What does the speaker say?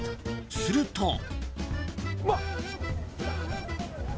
すると。